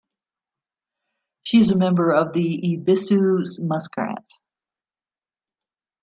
She's a member of the Ebisu Muscats.